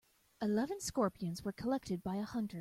Eleven scorpions were collected by a hunter.